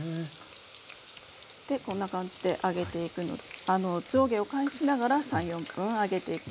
でこんな感じで揚げていくので上下を返しながら３４分揚げていきます。